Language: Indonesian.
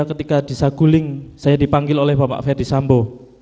ketika di saguling saya dipanggil oleh bapak ferdis sambo